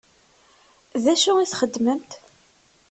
D acu i txeddmemt?